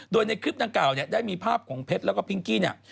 โดยในคลิปดังกล่าวเนี่ยได้มีภาพของเพชรแล้วก็พิงกี้เนี่ย